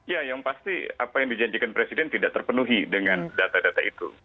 ya yang pasti apa yang dijanjikan presiden tidak terpenuhi dengan data data itu